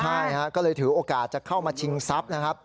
ใช่ก็เลยถือโอกาสจะเข้ามาชิงทรัพย์นะครับ